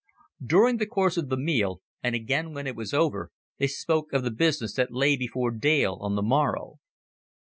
During the course of the meal, and again when it was over, they spoke of the business that lay before Dale on the morrow.